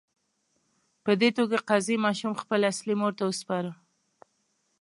په دې توګه قاضي ماشوم خپلې اصلي مور ته وسپاره.